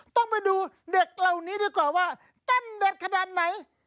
ต้องไปดูเด็กเหล่านี้ดีกว่าว่าเต้นเด็ดขนาดไหน